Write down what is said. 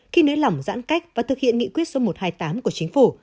khi nới lỏng giãn cách và thực hiện nghị quyết số một trăm hai mươi tám của chính phủ